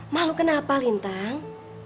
malu kenapa lintang